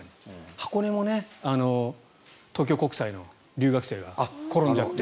箱根も東京国際の留学生が転んじゃって。